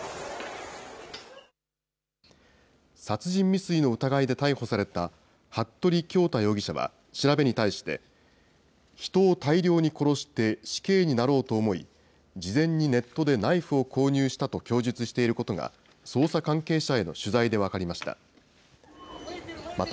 殺人未遂の疑いで逮捕された服部恭太容疑者は、調べに対して、人を大量に殺して死刑になろうと思い、事前にネットでナイフを購入したと供述していることが、捜査関係者への取材で分かりました。